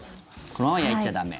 このまま焼いちゃ駄目。